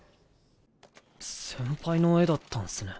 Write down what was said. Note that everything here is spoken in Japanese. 先輩の絵だったんすね。